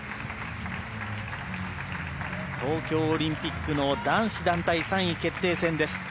東京オリンピックの男子団体３位決定戦です。